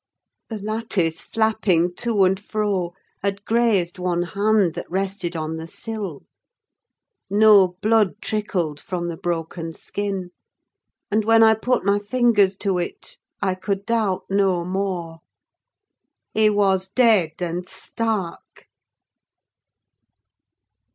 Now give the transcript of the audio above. The lattice, flapping to and fro, had grazed one hand that rested on the sill; no blood trickled from the broken skin, and when I put my fingers to it, I could doubt no more: he was dead and stark!